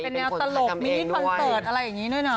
เป็นแบบตลกมีความเติดอะไรอย่างนี้ด้วยเนาะ